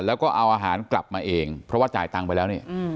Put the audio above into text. แล้วก็เอาอาหารกลับมาเองเพราะว่าจ่ายตังค์ไปแล้วเนี่ย